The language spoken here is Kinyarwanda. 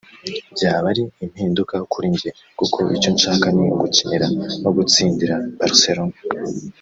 byaba ari impinduka kuri njye kuko icyo nshaka ni ugukinira no gutsindira Barcelona